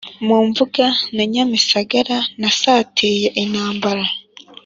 Mu Mbuga na Nyamisagara nasatiye intambara